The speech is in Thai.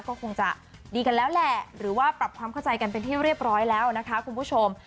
ก็คงจะดีกันแล้วแหละหรือว่าปรับความเข้าใจกันเป็นที่เรียบร้อยแล้วนะคะคุณผู้ชม